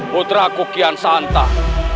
putra kho kian sa'antah